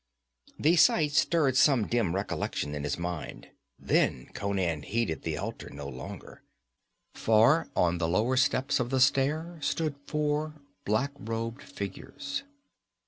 The sight stirred some dim recollection in his mind; then Conan heeded the altar no longer, for on the lower steps of the stair stood four black robed figures.